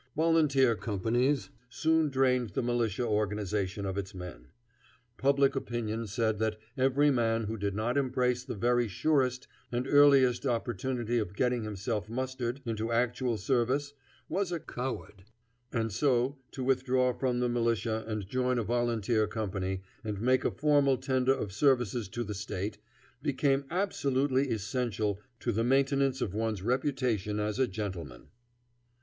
Volunteer companies soon drained the militia organization of its men. Public opinion said that every man who did not embrace the very surest and earliest opportunity of getting himself mustered into actual service was a coward; and so, to withdraw from the militia and join a volunteer company, and make a formal tender of services to the State, became absolutely essential to the maintenance of one's reputation as a gentleman.